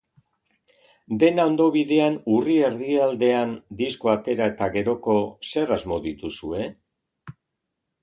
Dena ondo bidean urri erdialdean diskoa atera eta geroko, zer asmo dituzue?